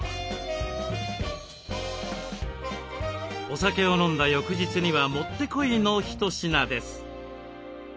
お酒を飲んだ翌日には持ってこいの一品です。